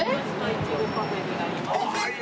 いちごパフェになります。